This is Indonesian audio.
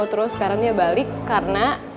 terus sekarang dia balik karena